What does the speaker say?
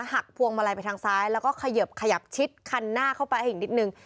หักพวงมาลัยไปทางซ้ายแล้วก็ขยับชิดคันหน้าเข้าไปอีกนิดหนึ่ง